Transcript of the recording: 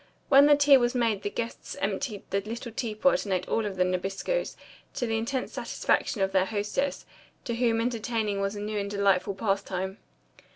When the tea was made the guests emptied the little tea pot and ate all of the Nabiscos, to the intense satisfaction of their hostess, to whom entertaining was a new and delightful pastime.